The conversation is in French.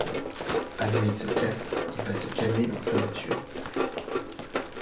Alors il se casse, il va se calmer dans sa voiture